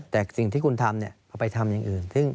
แต่สิ่งที่คุณทำเอาไปทำอย่างอื่น